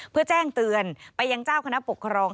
เพื่อแจ้งเตือนไปยังเจ้าคณะปกครอง